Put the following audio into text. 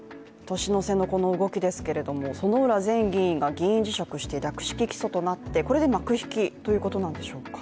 年の瀬のこの動きですけれども薗浦前議員が議員辞職して略式起訴となってこれで幕引きということなんでしょうか？